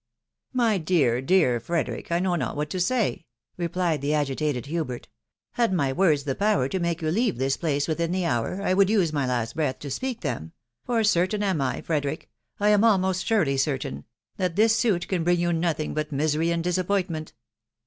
" My dear, dear Frederick, I know not what to say," re plied the agitated Hubert. ..." Had my words the power to make you leave this place within the hour, I would use my last breath to speak them ..... for certain am I, Frederick — I am most surely certain — that this suit can bring you nothing but misery and disappointment.